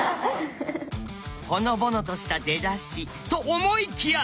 ほのぼのとした出だしと思いきや！